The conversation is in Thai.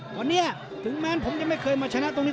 วันนี้ถึงแม้ผมจะไม่เคยมาชนะตรงนี้